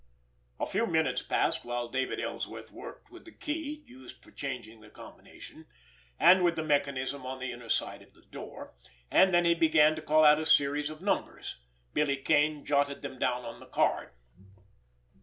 A few minutes passed while David Ellsworth worked with the key used for changing the combination and with the mechanism on the inner side of the door, and then he began to call out a series of numbers. Billy Kane jotted them down on the card.